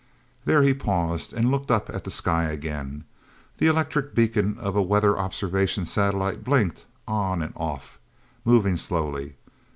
There he paused, and looked up at the sky, again. The electric beacon of a weather observation satellite blinked on and off, moving slowly.